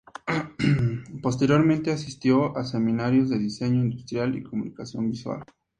Posteriormente asistió a seminarios de Diseño Industrial y Comunicación Visual.